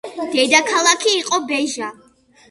დედაქალაქი იყო ბეჟა.